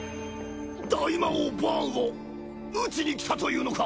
大魔王バーンを討ちに来たというのか？